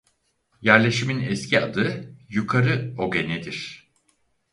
Yerleşimin eski adı "Yukarı Ogene"'dir.